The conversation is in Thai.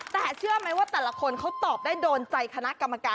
แต่เชื่อไหมว่าแต่ละคนเขาตอบได้โดนใจคณะกรรมการ